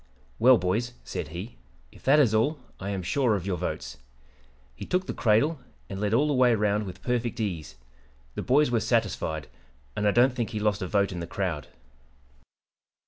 "'Well, boys,' said he, 'if that is all, I am sure of your votes' He took the 'cradle' and led all the way round with perfect ease. The boys were satisfied, and I don't think he lost a vote in the crowd.